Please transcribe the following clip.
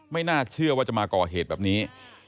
ไม่น่าเชื่อว่าจะมาก่อเหตุแบบนี้